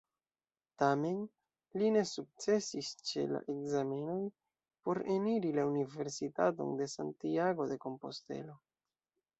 Tamen, li ne sukcesis ĉe la ekzamenoj por eniri la Universitaton de Santiago-de-Kompostelo.